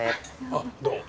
ああどうも。